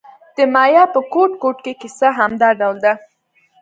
د مایا په ګوټ ګوټ کې کیسه همدا ډول ده